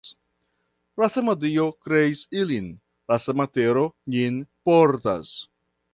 La sama Dio kreis ilin, la sama tero nin portas.